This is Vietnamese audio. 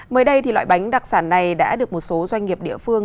mới đây thì loại bánh đặc sản này đã được một số doanh nghiệp địa phương